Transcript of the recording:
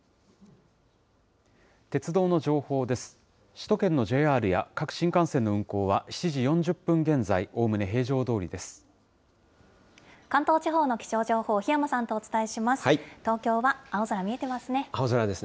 首都圏のＪＲや各新幹線の運行は、７時４０分現在、おおむね平常どおりです。